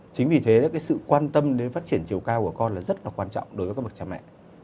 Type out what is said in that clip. chính vì thế sự quan tâm đến phát triển chiều cao của con là rất là quan trọng đối với các bậc cha mẹ